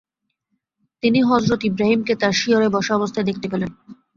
তিনি হযরত ইব্রাহীম কে তার শিয়রে বসা অবস্থায় দেখতে পেলেন।